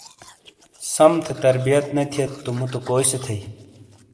سم تھے تربیت نہ تھئیت تو مٌوتو کوئی سے تھئیی؟